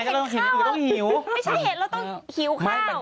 ไม่ใช่เห็นเราต้องหิวข้าว